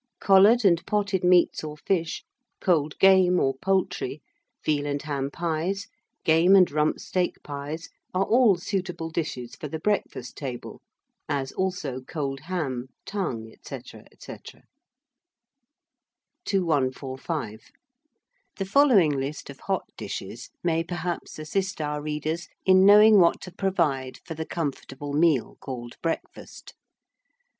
Collared and potted meats or fish, cold game or poultry, veal and ham pies, game and Rump steak pies, are all suitable dishes for the breakfast table; as also cold ham, tongue, &c. &c. 2145. The following list of hot dishes may perhaps assist our readers in knowing what to provide for the comfortable meal called breakfast.